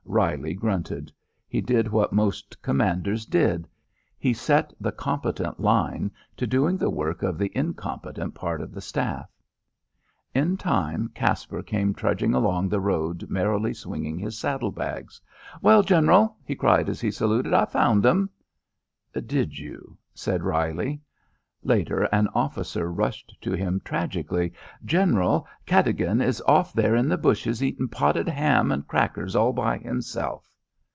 Reilly grunted. He did what most commanders did. He set the competent line to doing the work of the incompetent part of the staff. In time Caspar came trudging along the road merrily swinging his saddle bags. "Well, General," he cried as he saluted, "I found 'em." "Did you?" said Reilly. Later an officer rushed to him tragically: "General, Cadogan is off there in the bushes eatin' potted ham and crackers all by himself."